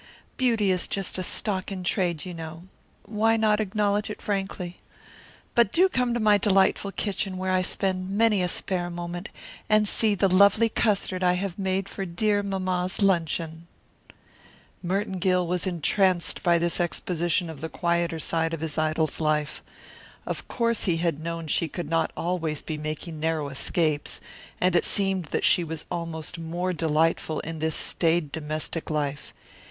Beauty is just a stock in trade, you know. Why not acknowledge it frankly? But do come to my delightful kitchen, where I spend many a spare moment, and see the lovely custard I have made for dear mamma's luncheon." Merton Gill was entranced by this exposition of the quieter side of his idol's life. Of course he had known she could not always be making narrow escapes, and it seemed that she was almost more delightful in this staid domestic life.